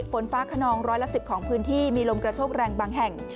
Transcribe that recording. ฝนฟ้าขนองร้อยละ๑๐ของพื้นที่มีลมกระโชกแรงบางแห่ง